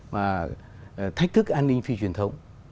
mà thách thức an ninh phi truyền thống